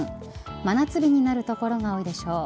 真夏日になる所が多いでしょう。